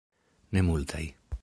Ne multaj.